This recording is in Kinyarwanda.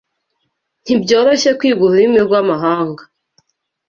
Ntibyoroshye kwiga ururimi rwamahanga.